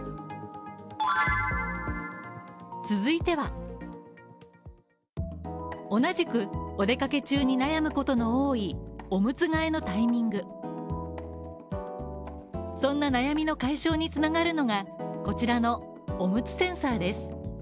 続いては、同じくお出掛け中に悩むことの多い、オムツ替えのタイミングそんな悩みの解消に繋がるのがこちらのおむつセンサーです。